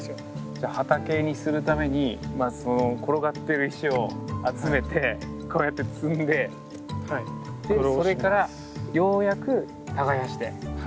じゃあ畑にするためにまずその転がってる石を集めてこうやって積んででそれからようやく耕して。